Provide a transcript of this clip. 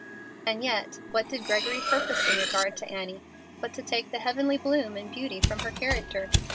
And yet what did Gregory purpose in regard to Annie but to take the heavenly bloom and beauty from her character?